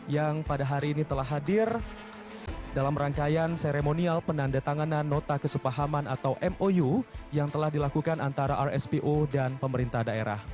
yang pada hari ini telah hadir dalam rangkaian seremonial penanda tanganan nota kesepahaman atau mou yang telah dilakukan antara rspo dan pemerintah daerah